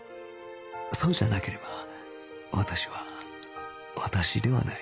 そうじゃなければ私は私ではない